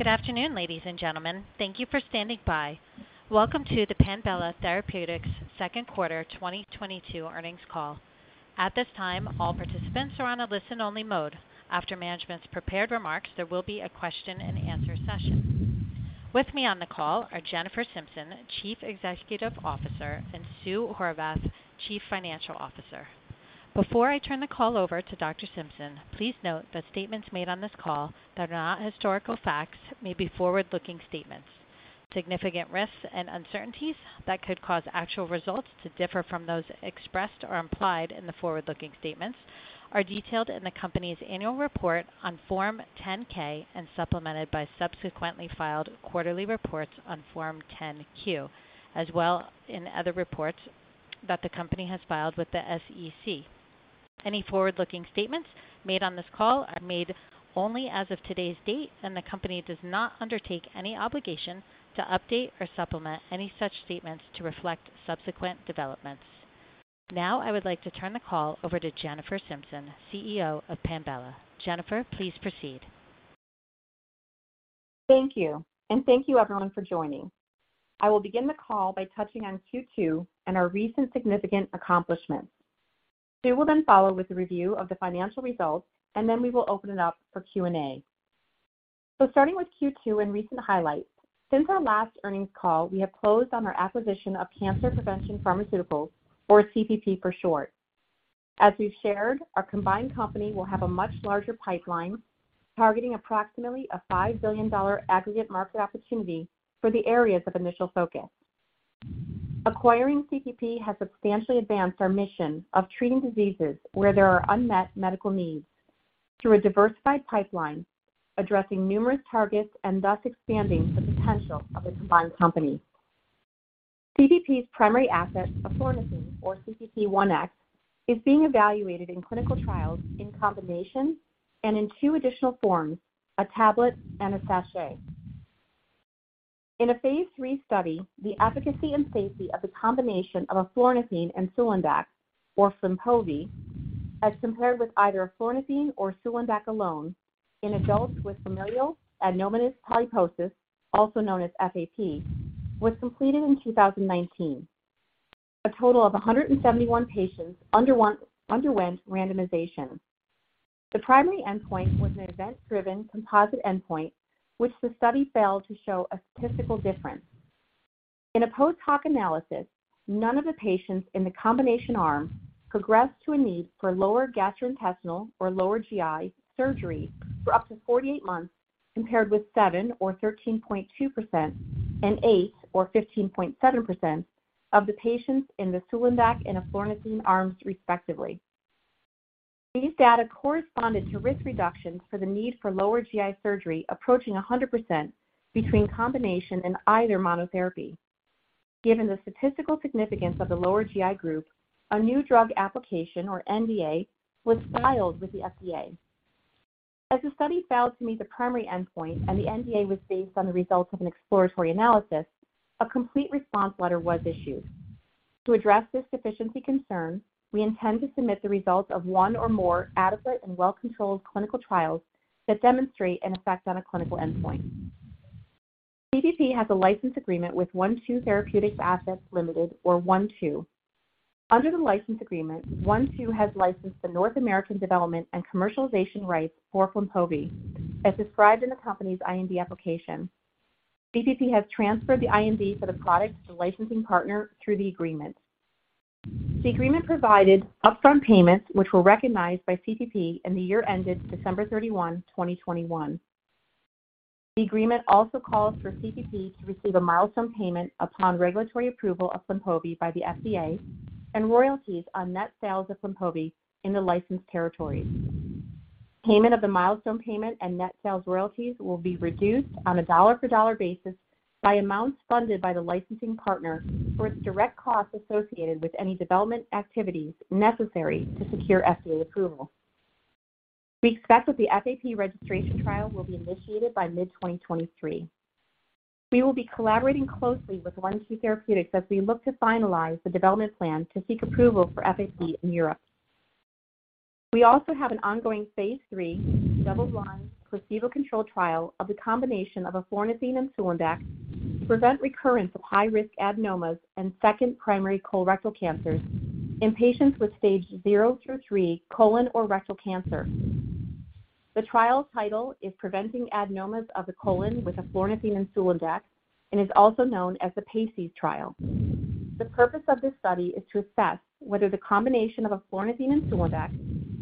Good afternoon, ladies and gentlemen. Thank you for standing by. Welcome to the Panbela Therapeutics Q2 2022 earnings call. At this time, all participants are on a listen-only mode. After management's prepared remarks, there will be a question and answer session. With me on the call are Jennifer K. Simpson, Chief Executive Officer, and Susan K. Horvath, Chief Financial Officer. Before I turn the call over to Dr. Simpson, please note that statements made on this call that are not historical facts may be forward-looking statements. Significant risks and uncertainties that could cause actual results to differ from those expressed or implied in the forward-looking statements are detailed in the company's annual report on Form 10-K and supplemented by subsequently filed quarterly reports on Form 10-Q, as well as in other reports that the company has filed with the SEC. Any forward-looking statements made on this call are made only as of today's date, and the company does not undertake any obligation to update or supplement any such statements to reflect subsequent developments. Now, I would like to turn the call over to Jennifer Simpson, CEO of Panbela. Jennifer, please proceed. Thank you, and thank you everyone for joining. I will begin the call by touching on Q2 and our recent significant accomplishments. Sue will then follow with a review of the financial results, and then we will open it up for Q&A. Starting with Q2 and recent highlights. Since our last earnings call, we have closed on our acquisition of Cancer Prevention Pharmaceuticals, or CPP for short. As we've shared, our combined company will have a much larger pipeline, targeting approximately a $5 billion aggregate market opportunity for the areas of initial focus. Acquiring CPP has substantially advanced our mission of treating diseases where there are unmet medical needs through a diversified pipeline addressing numerous targets and thus expanding the potential of the combined company. CPP's primary asset, eflornithine, or CPP-1X, is being evaluated in clinical trials in combination and in two additional forms, a tablet and a sachet. In a phase 3 study, the efficacy and safety of the combination of eflornithine and sulindac, or Flynpovi, as compared with either eflornithine or sulindac alone in adults with familial adenomatous polyposis, also known as FAP, was completed in 2019. A total of 171 patients underwent randomization. The primary endpoint was an event-driven composite endpoint, which the study failed to show a statistical difference. In a post-hoc analysis, none of the patients in the combination arm progressed to a need for lower gastrointestinal or lower GI surgery for up to 48 months, compared with seven or 13.2% and eight or 15.7% of the patients in the sulindac and eflornithine arms respectively. These data corresponded to risk reductions for the need for lower GI surgery approaching 100% between combination and either monotherapy. Given the statistical significance of the lower GI group, a new drug application, or NDA, was filed with the FDA. As the study failed to meet the primary endpoint and the NDA was based on the results of an exploratory analysis, a complete response letter was issued. To address this deficiency concern, we intend to submit the results of one or more adequate and well-controlled clinical trials that demonstrate an effect on a clinical endpoint. CPP has a license agreement with One-Two Therapeutics Assets Limited, or One-Two. Under the license agreement, One-Two has licensed the North American development and commercialization rights for Flynpovi, as described in the company's IND application. CPP has transferred the IND for the product to the licensing partner through the agreement. The agreement provided upfront payments which were recognized by CPP in the year ended December 31st, 2021. The agreement also calls for CPP to receive a milestone payment upon regulatory approval of Flynpovi by the FDA and royalties on net sales of Flynpovi in the licensed territories. Payment of the milestone payment and net sales royalties will be reduced on a dollar-for-dollar basis by amounts funded by the licensing partner for its direct costs associated with any development activities necessary to secure FDA approval. We expect that the FAP registration trial will be initiated by mid-2023. We will be collaborating closely with One-Two Therapeutics as we look to finalize the development plan to seek approval for FAP in Europe. We also have an ongoing phase 3 double-blind placebo-controlled trial of the combination of eflornithine and sulindac to prevent recurrence of high-risk adenomas and second primary colorectal cancers in patients with stage zero through three colon or rectal cancer. The trial title is Preventing Adenomas of the Colon with Eflornithine and Sulindac and is also known as the PACES trial. The purpose of this study is to assess whether the combination of eflornithine and sulindac,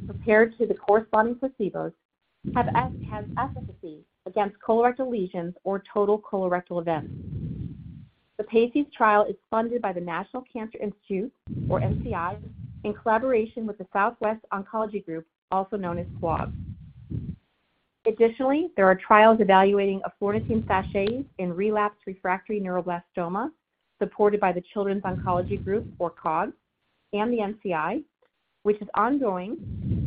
compared to the corresponding placebos, has efficacy against colorectal lesions or total colorectal events. The PACES trial is funded by the National Cancer Institute, or NCI, in collaboration with the Southwest Oncology Group, also known as SWOG. Additionally, there are trials evaluating eflornithine sachets in relapsed refractory neuroblastoma supported by the Children's Oncology Group, or COG, and the NCI, which is ongoing,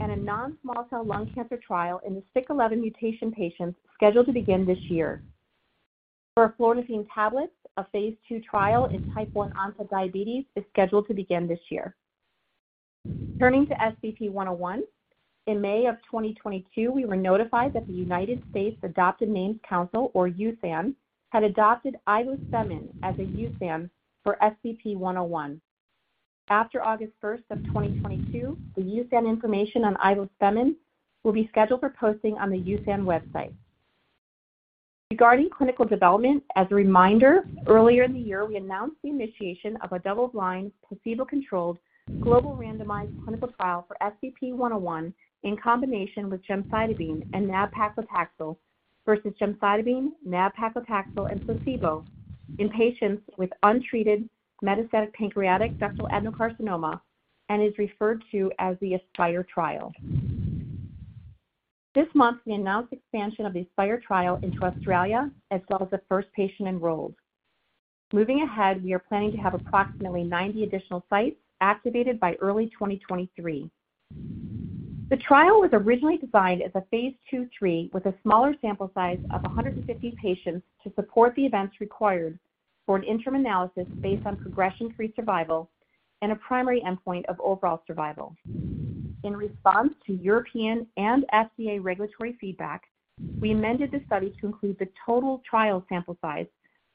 and a non-small cell lung cancer trial in the STK11 mutation patients scheduled to begin this year. For eflornithine tablets, a phase 2 trial in type one onset diabetes is scheduled to begin this year. Turning to SBP-101, in May 2022, we were notified that the United States Adopted Names Council, or USAN, had adopted Ivospemin as a USAN for SBP-101. After August 1, 2022, the USAN information on Ivospemin will be scheduled for posting on the USAN website. Regarding clinical development, as a reminder, earlier in the year, we announced the initiation of a double-blind, placebo-controlled, global randomized clinical trial for SBP-101 in combination with gemcitabine and nab-paclitaxel versus gemcitabine, nab-paclitaxel and placebo in patients with untreated metastatic pancreatic ductal adenocarcinoma and is referred to as the ASPIRE trial. This month, we announced expansion of the ASPIRE trial into Australia, as well as the first patient enrolled. Moving ahead, we are planning to have approximately 90 additional sites activated by early 2023. The trial was originally designed as a phase 2/3 with a smaller sample size of 150 patients to support the events required for an interim analysis based on progression-free survival and a primary endpoint of overall survival. In response to European and FDA regulatory feedback, we amended the study to include the total trial sample size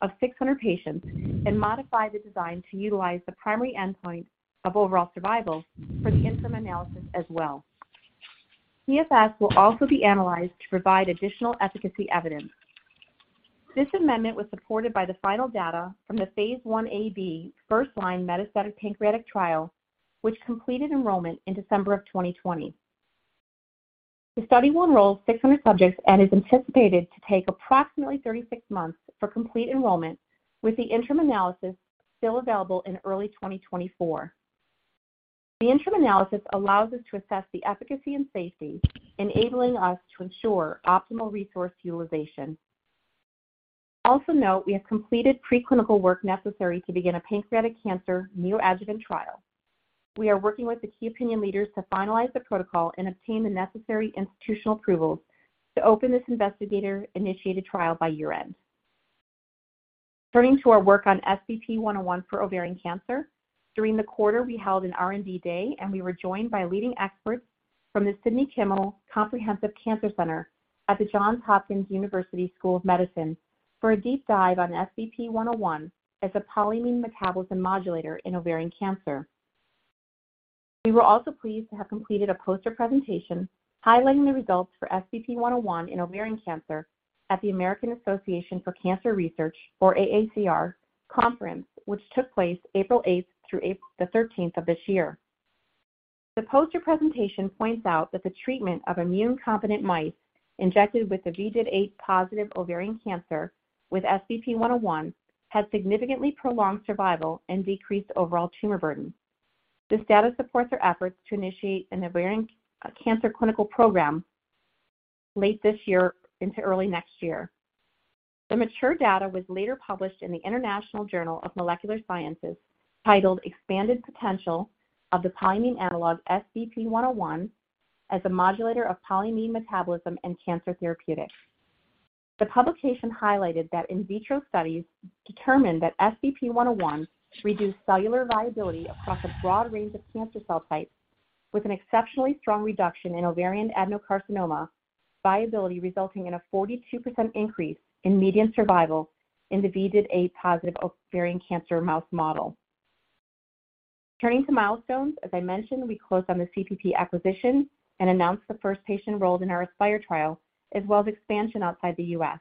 of 600 patients and modified the design to utilize the primary endpoint of overall survival for the interim analysis as well. PFS will also be analyzed to provide additional efficacy evidence. This amendment was supported by the final data from the Phase 1a/1b first-line metastatic pancreatic trial, which completed enrollment in December 2020. The study will enroll 600 subjects and is anticipated to take approximately 36 months for complete enrollment, with the interim analysis still available in early 2024. The interim analysis allows us to assess the efficacy and safety, enabling us to ensure optimal resource utilization. Also note we have completed preclinical work necessary to begin a pancreatic cancer neoadjuvant trial. We are working with the key opinion leaders to finalize the protocol and obtain the necessary institutional approvals to open this investigator-initiated trial by year-end. Turning to our work on SBP-101 for ovarian cancer, during the quarter we held an R&D day, and we were joined by leading experts from the Sidney Kimmel Comprehensive Cancer Center at the Johns Hopkins University School of Medicine for a deep dive on SBP-101 as a polyamine metabolism modulator in ovarian cancer. We were also pleased to have completed a poster presentation highlighting the results for SBP-101 in ovarian cancer at the American Association for Cancer Research, or AACR, conference, which took place April 8th through the 13th of this year. The poster presentation points out that the treatment of immunocompetent mice injected with the ID8-positive ovarian cancer with SBP-101 has significantly prolonged survival and decreased overall tumor burden. This data supports our efforts to initiate an ovarian cancer clinical program late this year into early next year. The mature data was later published in the International Journal of Molecular Sciences, titled Expanded Potential of the Polyamine Analog SBP-101 as a Modulator of Polyamine Metabolism in Cancer Therapeutics. The publication highlighted that in vitro studies determined that SBP-101 reduced cellular viability across a broad range of cancer cell types, with an exceptionally strong reduction in ovarian adenocarcinoma viability, resulting in a 42% increase in median survival in the ID8 positive ovarian cancer mouse model. Turning to milestones, as I mentioned, we closed on the CPP acquisition and announced the first patient enrolled in our ASPIRE trial, as well as expansion outside the U.S.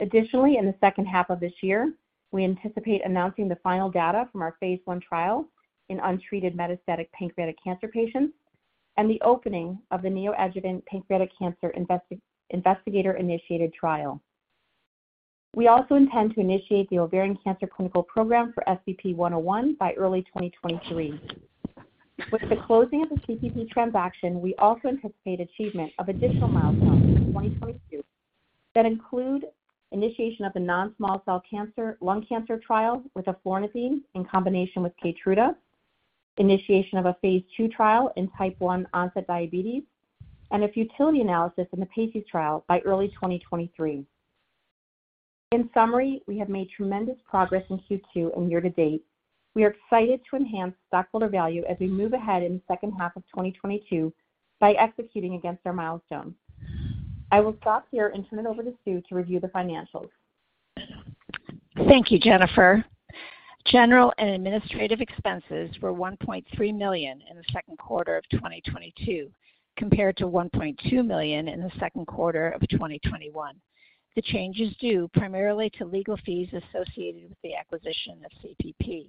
Additionally, in the H2 of this year, we anticipate announcing the final data from our phase 1 trial in untreated metastatic pancreatic cancer patients and the opening of the neoadjuvant pancreatic cancer investigator-initiated trial. We also intend to initiate the ovarian cancer clinical program for SBP-101 by early 2023. With the closing of the CPP transaction, we also anticipate achievement of additional milestones in 2022 that include initiation of the non-small cell lung cancer trial with eflornithine in combination with Keytruda, initiation of a phase 2 trial in type one onset diabetes, and a futility analysis in the PACES trial by early 2023. In summary, we have made tremendous progress in Q2 and year to date. We are excited to enhance stockholder value as we move ahead in the H2 of 2022 by executing against our milestones. I will stop here and turn it over to Sue to review the financials. Thank you, Jennifer. General and administrative expenses were $1.3 million in the Q2 of 2022, compared to $1.2 million in the Q2 of 2021. The change is due primarily to legal fees associated with the acquisition of CPP.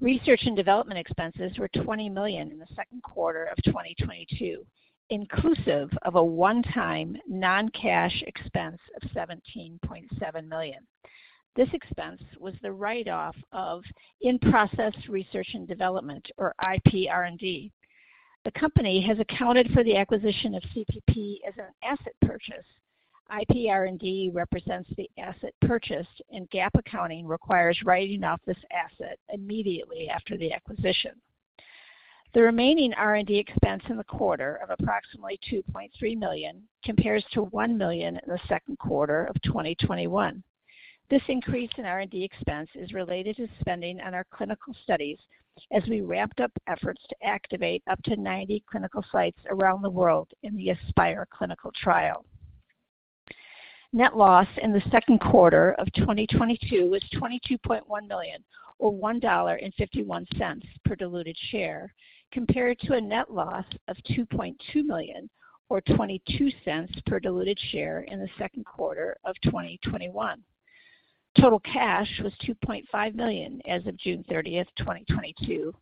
Research and development expenses were $20 million in the Q2 of 2022, inclusive of a one-time non-cash expense of $17.7 million. This expense was the write-off of in-process research and development, or IPR&D. The company has accounted for the acquisition of CPP as an asset purchase. IPR&D represents the asset purchase, and GAAP accounting requires writing off this asset immediately after the acquisition. The remaining R&D expense in the quarter of approximately $2.3 million compares to $1 million in the Q2 of 2021. This increase in R&D expense is related to spending on our clinical studies as we ramped up efforts to activate up to 90 clinical sites around the world in the ASPIRE clinical trial. Net loss in the Q2 of 2022 was $22.1 million or $1.51 per diluted share, compared to a net loss of $2.2 million or $0.22 per diluted share in the Q2 of 2021. Total cash was $2.5 million as of June 30th, 2022.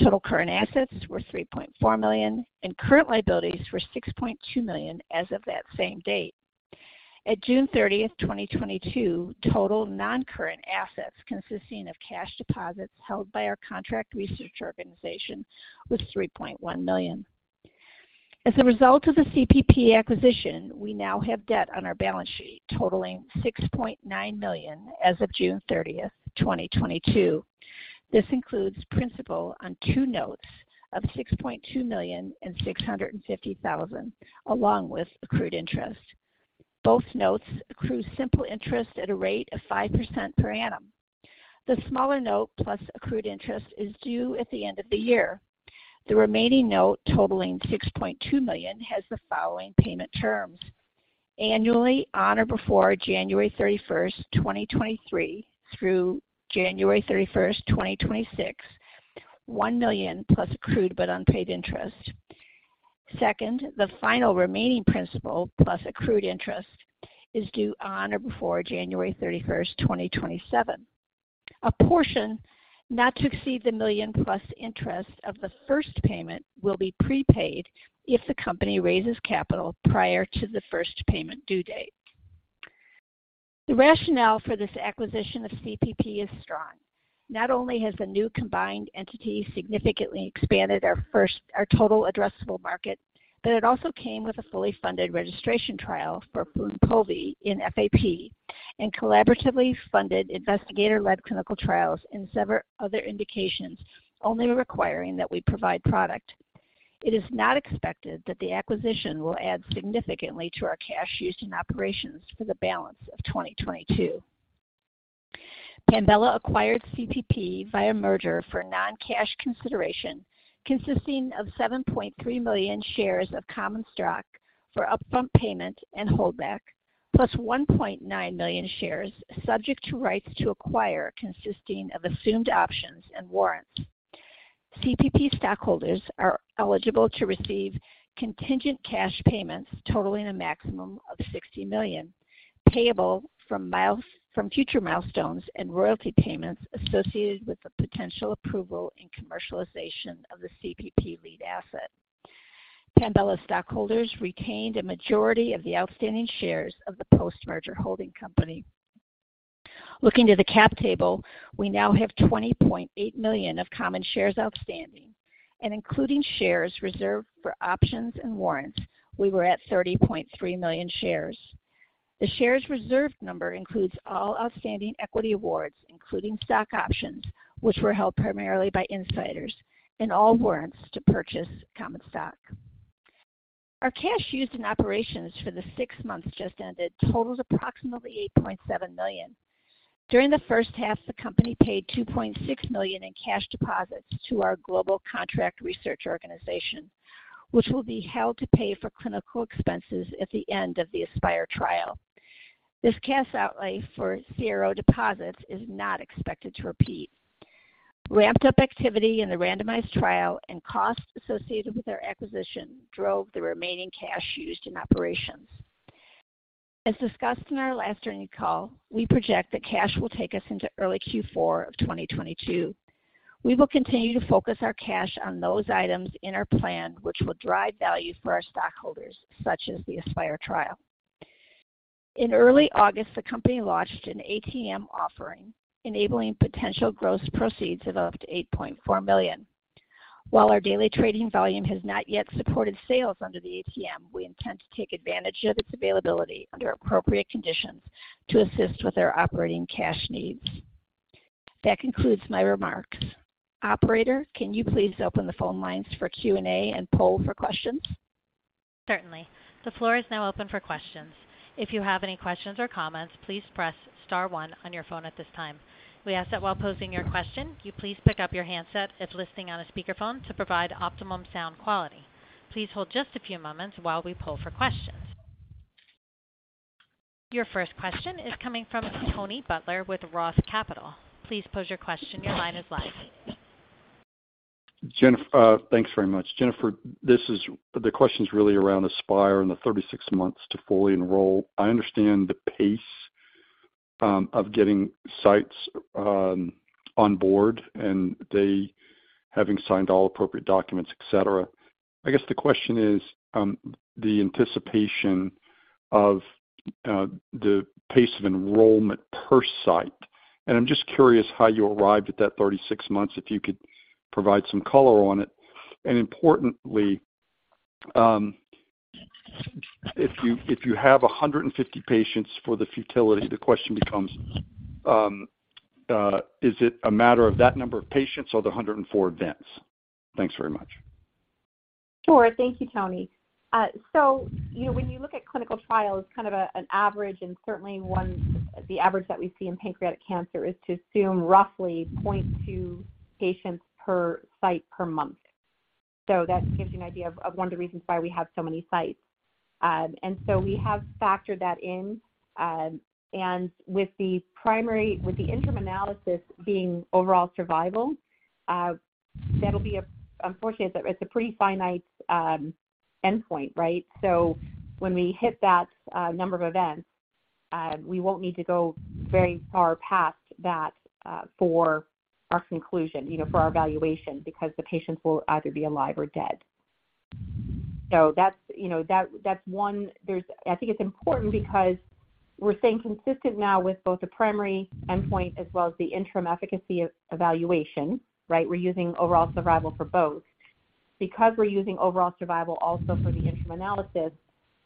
Total current assets were $3.4 million, and current liabilities were $6.2 million as of that same date. On June 30th, 2022, total non-current assets consisting of cash deposits held by our contract research organization was $3.1 million. As a result of the CPP acquisition, we now have debt on our balance sheet totaling $6.9 million as of June 30th, 2022. This includes principal on two notes of $6.2 million and $650,000, along with accrued interest. Both notes accrue simple interest at a rate of 5% per annum. The smaller note plus accrued interest is due at the end of the year. The remaining note, totaling $6.2 million, has the following payment terms. Annually on or before January 31st, 2023, through January 31st, 2026, $1 million plus accrued but unpaid interest. Second, the final remaining principal plus accrued interest is due on or before January 31st, 2027. A portion not to exceed $1 million plus interest of the first payment will be prepaid if the company raises capital prior to the first payment due date. The rationale for this acquisition of CPP is strong. Not only has the new combined entity significantly expanded our total addressable market, but it also came with a fully funded registration trial for Flynpovi in FAP and collaboratively funded investigator-led clinical trials in several other indications only requiring that we provide product. It is not expected that the acquisition will add significantly to our cash used in operations for the balance of 2022. Panbela acquired CPP via merger for non-cash consideration consisting of 7.3 million shares of common stock for upfront payment and holdback, plus 1.9 million shares subject to rights to acquire consisting of assumed options and warrants. CPP stockholders are eligible to receive contingent cash payments totaling a maximum of $60 million, payable from future milestones and royalty payments associated with the potential approval and commercialization of the CPP lead asset. Panbela stockholders retained a majority of the outstanding shares of the post-merger holding company. Looking to the cap table, we now have 20.8 million of common shares outstanding. Including shares reserved for options and warrants, we were at 30.3 million shares. The shares reserved number includes all outstanding equity awards, including stock options, which were held primarily by insiders, and all warrants to purchase common stock. Our cash used in operations for the six months just ended totaled approximately $8.7 million. During the H1, the company paid $2.6 million in cash deposits to our global contract research organization, which will be held to pay for clinical expenses at the end of the ASPIRE trial. This cash outlay for CRO deposits is not expected to repeat. Ramped-up activity in the randomized trial and costs associated with our acquisition drove the remaining cash used in operations. As discussed in our last earnings call, we project that cash will take us into early Q4 of 2022. We will continue to focus our cash on those items in our plan which will drive value for our stockholders, such as the ASPIRE trial. In early August, the company launched an ATM offering, enabling potential gross proceeds of up to $8.4 million. While our daily trading volume has not yet supported sales under the ATM, we intend to take advantage of its availability under appropriate conditions to assist with our operating cash needs. That concludes my remarks. Operator, can you please open the phone lines for Q&A and poll for questions? Certainly. The floor is now open for questions. If you have any questions or comments, please press star one on your phone at this time. We ask that while posing your question, you please pick up your handset if listening on a speakerphone to provide optimum sound quality. Please hold just a few moments while we poll for questions. Your first question is coming from Tony Butler with Roth Capital. Please pose your question. Your line is live. Thanks very much. Jennifer, this is the question is really around ASPIRE and the 36 months to fully enroll. I understand the pace of getting sites on board and they having signed all appropriate documents, et cetera. I guess the question is the anticipation of the pace of enrollment per site. I'm just curious how you arrived at that 36 months, if you could provide some color on it. Importantly, if you have 150 patients for the futility, the question becomes, is it a matter of that number of patients or the 104 events? Thanks very much. Sure. Thank you, Tony. You know when you look at clinical trials, kind of an average, and certainly the average that we see in pancreatic cancer is to assume roughly 0.2 patients per site per month. That gives you an idea of one of the reasons why we have so many sites. We have factored that in. With the interim analysis being overall survival, that'll be unfortunately, it's a pretty finite endpoint, right? When we hit that number of events, we won't need to go very far past that for our conclusion, you know, for our evaluation, because the patients will either be alive or dead. That's one. I think it's important because we're staying consistent now with both the primary endpoint as well as the interim efficacy evaluation, right? We're using overall survival for both. Because we're using overall survival also for the interim analysis,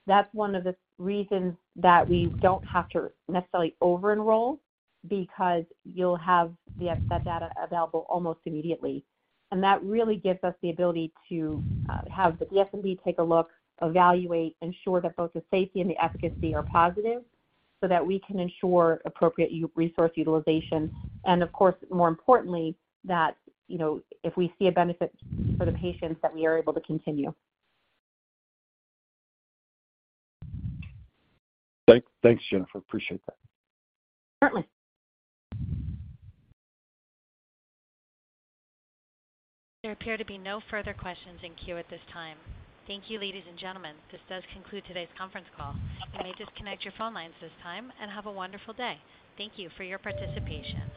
that's one of the reasons that we don't have to necessarily over-enroll because you'll have that data available almost immediately. That really gives us the ability to have the DSMB take a look, evaluate, ensure that both the safety and the efficacy are positive so that we can ensure appropriate resource utilization and of course, more importantly, that, you know, if we see a benefit for the patients, that we are able to continue. Thanks, Jennifer. Appreciate that. Certainly. There appear to be no further questions in queue at this time. Thank you, ladies and gentlemen. This does conclude today's conference call. You may disconnect your phone lines this time and have a wonderful day. Thank you for your participation.